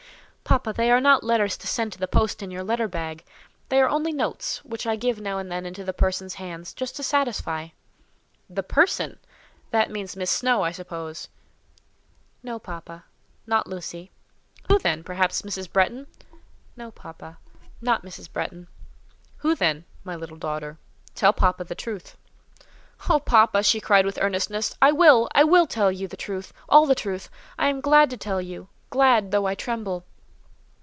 "Papa, they are not letters to send to the post in your letter bag; they are only notes, which I give now and then into the person's hands, just to satisfy." "The person! That means Miss Snowe, I suppose?" "No, papa—not Lucy." "Who then? Perhaps Mrs. Bretton?" "No, papa—not Mrs. Bretton." "Who, then, my little daughter? Tell papa the truth." "Oh, papa!" she cried with earnestness, "I will—I will tell you the truth—all the truth; I am glad to tell you—glad, though I tremble."